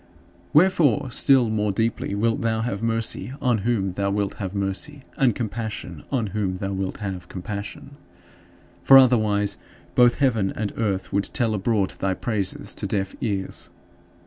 " Wherefore, still more deeply wilt thou have mercy on whom thou wilt have mercy, and compassion on whom thou wilt have compassion. For otherwise, both heaven and earth would tell abroad thy praises to deaf ears.